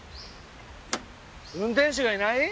運転手がいない？